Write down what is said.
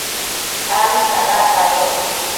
abi tsadacpayoc